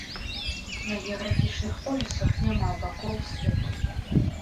На геаграфічных полюсах няма бакоў свету.